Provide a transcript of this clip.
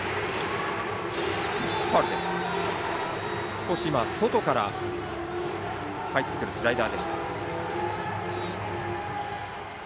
少し外から入ってくるスライダーでした。